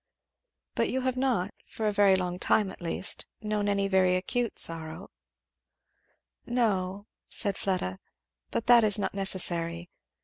"But you have not, for a long time at least, known any very acute sorrow?" "No " said Fleda, "but that is not necessary.